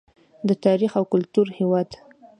د تاریخ او کلتور هیواد.